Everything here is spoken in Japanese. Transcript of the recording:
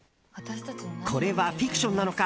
これはフィクションなのか？